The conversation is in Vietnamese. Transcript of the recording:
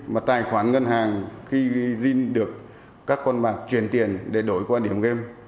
mà tài khoản ngân hàng khi jin được các con bạc chuyển tiền để đổi qua điểm game